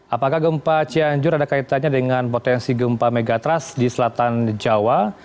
apakah gempa cianjur ada kaitannya dengan potensi gempa megatrust di selatan jawa